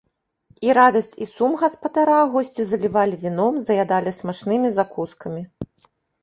І радасць і сум гаспадара госці залівалі віном, заядалі смачнымі закускамі.